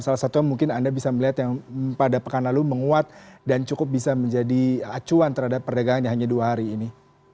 salah satunya mungkin anda bisa melihat yang pada pekan lalu menguat dan cukup bisa menjadi acuan terhadap perdagangan yang hanya dua hari ini